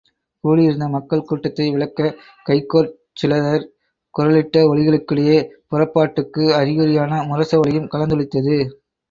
கூடியிருந்த மக்கள் கூட்டத்தை விலக்கக் கைக்கோற் சிலதர் குரலிட்ட ஒலிகளுக்கிடையே புறப் பாட்டுக்கு அறிகுறியான முரச ஒலியும் கலந்தொலித்தது.